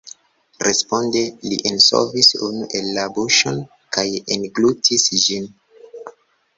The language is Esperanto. Responde li enŝovis unu en la buŝon kaj englutis ĝin.